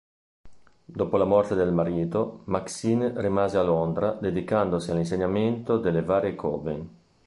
Dopo la morte del marito, Maxine rimase a Londra dedicandosi all'insegnamento delle varie Coven.